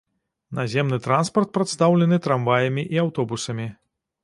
Наземны транспарт прадстаўлены трамваямі і аўтобусамі.